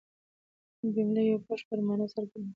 جمله یوه بشپړه مانا څرګندوي.